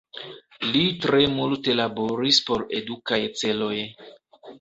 Li tre multe laboris por edukaj celoj.